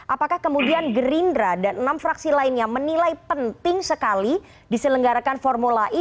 apakah kemudian gerindra dan enam fraksi lainnya menilai penting sekali diselenggarakan formula e